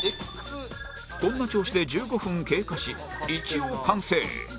こんな調子で１５分経過し一応完成